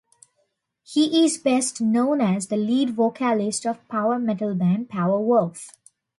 He is best known as the lead vocalist of power metal band Powerwolf.